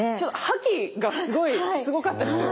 覇気がすごい。すごかったです。